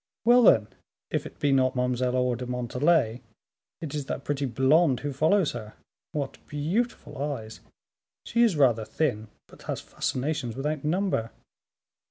"Well, then, if it be not Mademoiselle Aure de Montalais, it is that pretty blonde who follows her. What beautiful eyes! She is rather thin, but has fascinations without number."